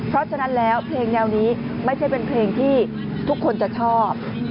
เพราะฉะนั้นแล้วเพลงแนวนี้ไม่ใช่เป็นเพลงที่ทุกคนจะชอบ